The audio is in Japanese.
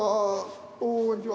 こんにちは。